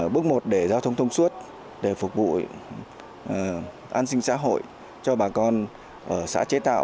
bước một để giao thông thông suốt để phục vụ an sinh xã hội cho bà con ở xã chế tạo